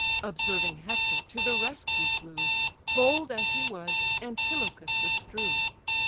Observing Hector to the rescue flew; Bold as he was, Antilochus withdrew.